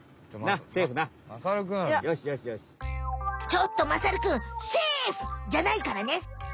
ちょっとまさるくん「セーフ！」じゃないからね。